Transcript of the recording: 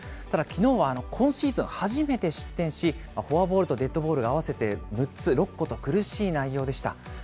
ただ、きのうは今シーズン初めて失点し、フォアボールとデッドボールが合わせて６つ、６個と苦しい内容でした。